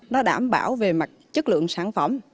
nó đảm bảo về mặt chất lượng sản phẩm